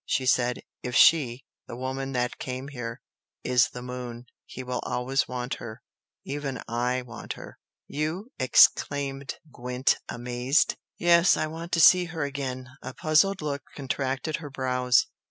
she said "If she the woman that came here, is the moon, he will always want her. Even I want her!" "You?" exclaimed Gwent, amazed. "Yes! I want to see her again!" A puzzled look contracted her brows.